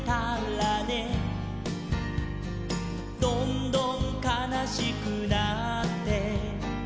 「どんどんかなしくなって」